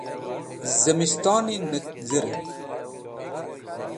zimistoni nek zereng